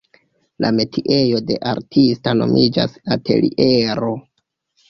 La metiejo de artista nomiĝas ateliero.